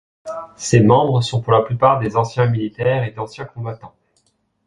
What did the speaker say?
Ses membres sont pour la plupart des anciens militaires et d'anciens combattants.